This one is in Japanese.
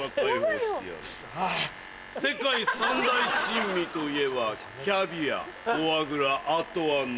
世界三大珍味といえばキャビアフォアグラあとは何？